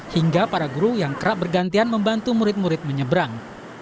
hingga para guru yang kerap bergantian membantu murid murid menyeberang